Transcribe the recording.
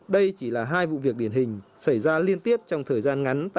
đây chỉ là hai vụ việc điển hình xảy ra liên tiếp trong thời gian ngắn